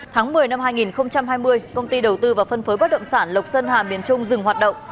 tháng một mươi năm hai nghìn hai mươi công ty đầu tư và phân phối bất động sản lộc sơn hà miền trung dừng hoạt động